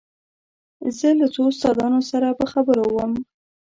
زه له څو استادانو سره په خبرو وم.